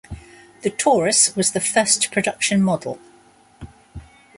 The "Taurus" was the first production model.